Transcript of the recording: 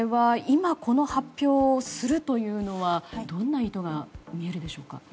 今この発表をするというのはどんな意図が見えるでしょうか。